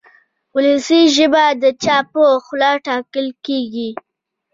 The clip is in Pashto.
وولسي ژبه د چا په خوله ټاکل کېږي.